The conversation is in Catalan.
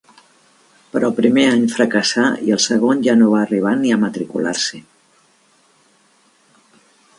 Però el primer any fracassà i el segon ja no va arribar ni a matricular-s'hi.